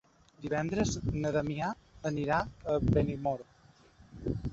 Divendres na Damià anirà a Benimodo.